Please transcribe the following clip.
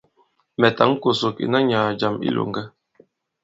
Mɛ̀ tǎŋ kòsòk àna nyàà jàm i ilòŋgɛ.